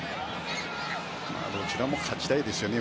どちらも勝ちたいですよね。